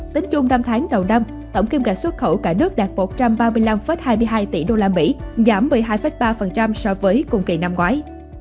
tính chung năm tháng đầu năm tổng kim gạch xuất khẩu cả nước đạt một trăm ba mươi năm hai mươi hai tỷ usd giảm một mươi hai ba so với cùng kỳ năm ngoái